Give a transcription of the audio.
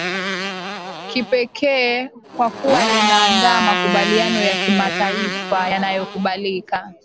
kipekee kwa kuwa linaandaa makubaliano ya kimataifa yanayokubalika